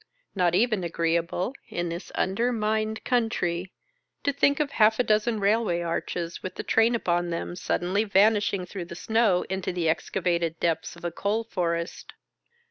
Not even agreeable, in this undermined country, to think of half a dozen railway arches with the train upon them, suddenly vanishing through the snow into the excavated depths of a coal forest.